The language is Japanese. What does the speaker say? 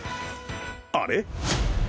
あれ？